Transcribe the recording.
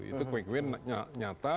itu quick win nyata